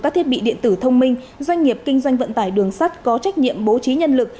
các thiết bị điện tử thông minh doanh nghiệp kinh doanh vận tải đường sắt có trách nhiệm bố trí nhân lực